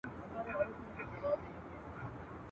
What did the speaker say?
وئيل يې روغ عالم ﺯمونږ په درد کله خبريږي ..